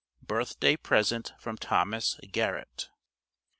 BIRTH DAY PRESENT FROM THOMAS GARRETT.